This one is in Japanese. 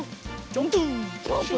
ジャンプ！